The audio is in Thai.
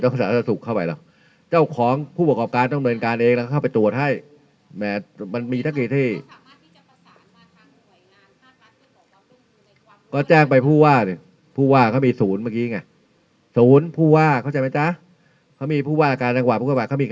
ในโอกาสในสถานบันเทอร์ถูกว่ากิจแบบอะไรพรุ่งนี้